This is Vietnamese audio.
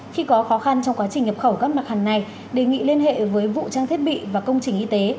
khi có khó khăn trong quá trình nhập khẩu các mặt hàng này đề nghị liên hệ với vũ trang thiết bị và công trình y tế